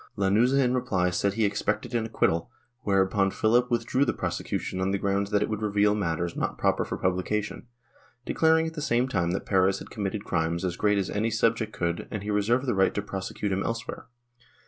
Lanuza in reply said he expected an acquittal, whereupon Philip withdrew the prosecution on the grounds that it would reveal matters not proper for publication, declaring at the same time that Perez had committed crimes as great as any subject could and he reserved the right to prosecute him elsewhere.